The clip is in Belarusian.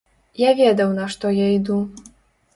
Я ведаў, на што я іду.